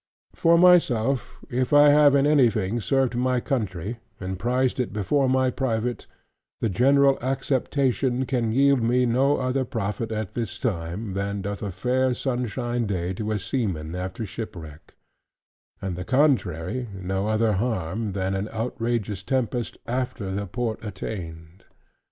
For myself, if I have in anything served my Country, and prized it before my private, the general acceptation can yield me no other profit at this time, than doth a fair sunshine day to a sea man after shipwreck; and the contrary no other harm, than an outrageous tempest after the port attained.